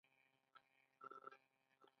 د خلفای راشدینو دوره د اسلام د عظمت دوره وه.